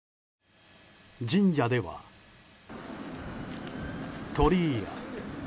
神社では鳥居や。